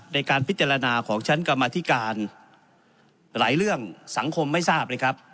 ในการพิจารณาของชั้นกรรมธิการหลายเรื่องสังคมไม่ทราบเลยครับ